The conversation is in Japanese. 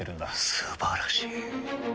素晴らしい。